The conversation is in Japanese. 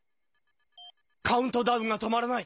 カウントダウンが止まらない！